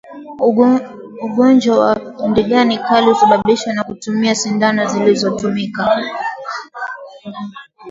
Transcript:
Ugonjwa wa ndigana kali husababishwa na kutumia sindano zilizotumika